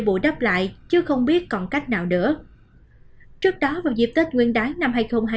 bù đắp lại chứ không biết còn cách nào nữa trước đó vào dịp tết nguyên đáng năm hai nghìn hai mươi bốn